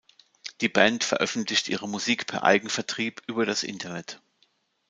Die Band veröffentlicht ihre Musik per Eigenvertrieb über das Internet.